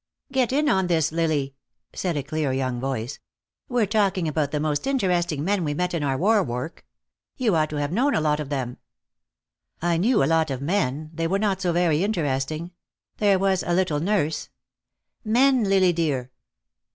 "Get in on this, Lily," said a clear young voice. "We're talking about the most interesting men we met in our war work. You ought to have known a lot of them." "I knew a lot of men. They were not so very interesting. There was a little nurse " "Men, Lily dear."